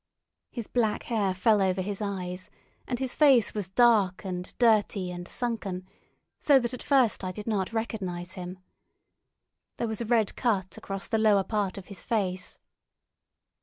His black hair fell over his eyes, and his face was dark and dirty and sunken, so that at first I did not recognise him. There was a red cut across the lower part of his face.